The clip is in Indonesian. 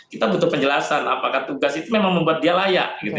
kita butuh penjelasan apakah tugas itu memang membuat dia layak